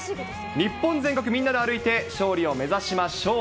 日本全国みんなで歩いて、勝利を目指しましょう。